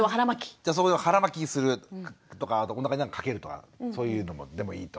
じゃあ腹巻きするとかおなかに何か掛けるとかそういうのでもいいと。